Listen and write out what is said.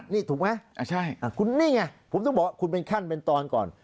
นี่ถูกไหมคุณนี่ไงผมต้องบอกว่าคุณเป็นขั้นเป็นตอนก่อน